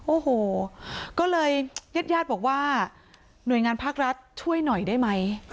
โอ้โหก็เลยญาติญาติบอกว่าหน่วยงานภาครัฐช่วยหน่อยได้ไหม